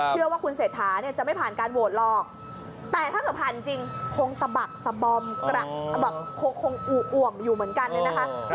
เชื่อว่าคุณเศรษฐาเนี่ยจะไม่ผ่านการโหวตหรอกแต่ถ้าเกิดผ่านจริงคงสะบักสะบอมคงอู่อ่วมอยู่เหมือนกันเลยนะคะ